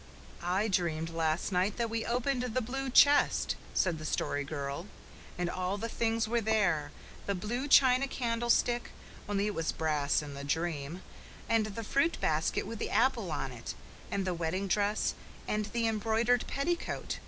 "I dreamed last night that we opened the blue chest," said the Story Girl, "and all the things were there the blue china candlestick only it was brass in the dream and the fruit basket with the apple on it, and the wedding dress, and the embroidered petticoat.